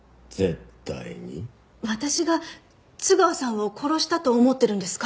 私が津川さんを殺したと思ってるんですか？